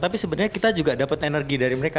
tapi sebenarnya kita juga dapat energi dari mereka